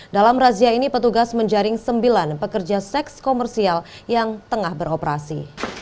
dalam razia ini petugas menjaring sembilan pekerja seks komersial yang tengah beroperasi